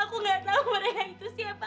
aku gak tahu mereka itu siapa